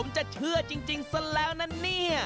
เชื่อจริงซะแล้วนะไร้